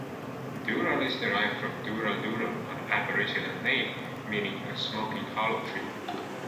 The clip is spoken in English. Dural is derived from Dooral-Dooral, an Aboriginal name meaning "a smoking hollow tree".